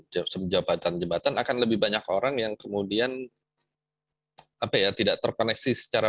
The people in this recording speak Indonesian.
jepsen jabatan jepatan akan lebih banyak orang yang kemudian apa ya tidak terpengaruhi secara